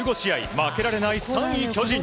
負けられない３位、巨人。